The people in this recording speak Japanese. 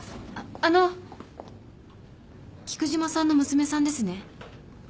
あの菊島さんの娘さんですね？